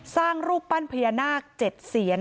สร้างรูปปั้นพระยาสมนาคต์เจ็ดเซียน